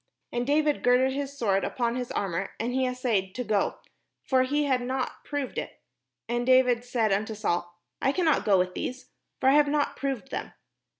And David girded his sword upon his armour, and he assayed to go ; for he had not proved it. And David said unto Saul, "I cannot go with these; for I have not proved them."